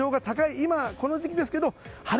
今この時期ですけど晴れ。